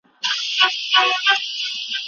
غیبت د مړي د غوښې خوړل دي.